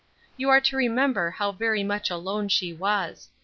You are to remember how very much alone she was.